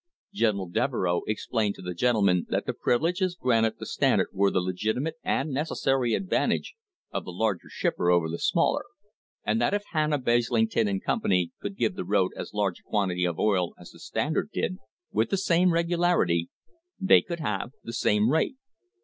General Devereux explained to the gentlemen that the privileges granted the Standard were the legitimate and necessary idvantage of the larger shipper over the smaller, and that if rlanna, Baslington and Company could give the road as large i quantity of oil as the Standard did, with the same regularity, hey could have the same rate.